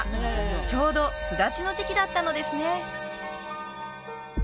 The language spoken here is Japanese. ちょうど巣立ちの時期だったのですね